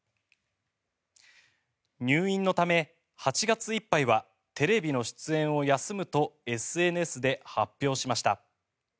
入院のため、８月いっぱいはテレビの出演を休むとＳＮＳで発表しました。